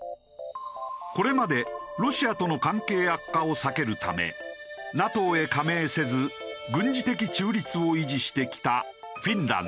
これまでロシアとの関係悪化を避けるためＮＡＴＯへ加盟せず軍事的中立を維持してきたフィンランド。